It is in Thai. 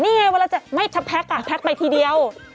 นี่ไงพาร์ทเตรียคไว้แพลกไปทีเดียว